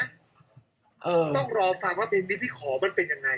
ต้องรอฟังว่าเพลงนี้พี่ขอมันเป็นอย่างไร